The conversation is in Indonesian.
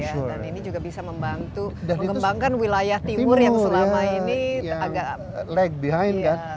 dan ini juga bisa membantu mengembangkan wilayah timur yang selama ini agak lag behind kan